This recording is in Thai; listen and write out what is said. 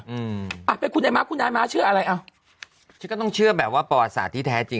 อืออาไปคุณไอน้มาะเชื่ออะไรเชื่อแบบว่าประวัติศาสตร์ที่แท้จริง